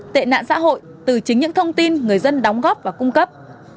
tệ nạn xã hội từ chính những thông tin người dân đóng góp và cung cấp